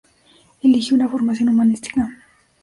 Eligió una formación humanística.